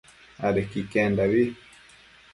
adequi iquendabi